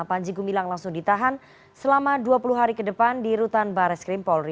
panji gumilang langsung ditahan selama dua puluh hari ke depan di rutan bares krim polri